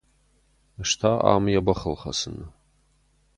Ӕз та ам йӕ бӕхыл хӕцын.